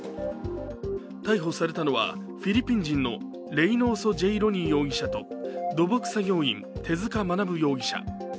逮捕されたのはフィリピン人のレイノーソ・ジェイ・ロニー容疑者と土木作業員・手塚学容疑者。